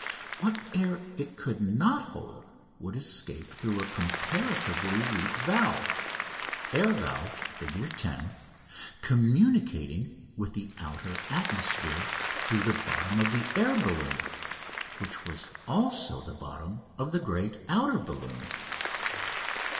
What air it could not hold would escape through a comparatively weak valve ("Air Valve," Fig. 10) communicating with the outer atmosphere through the bottom of the air balloon, which was also the bottom of the great outer balloon.